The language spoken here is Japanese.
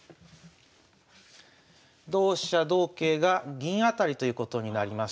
同飛車同桂が銀当たりということになります。